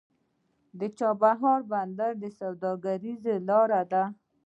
د چابهار بندر سوداګریزه لاره ده